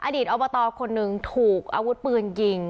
ตอบตคนหนึ่งถูกอาวุธปืนยิง